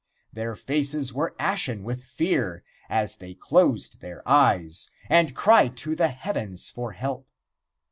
Their faces were ashen with fear as they closed their eyes and cried to the heavens for help.